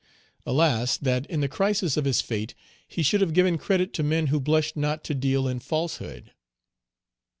Alas! that in the crisis of his fate he should have given credit to men who blushed not to deal in falsehood.